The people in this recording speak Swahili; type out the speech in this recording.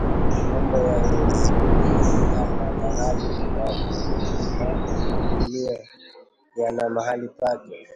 Mambo ya dini yana mahali pake na ya kidunia yana mahali pake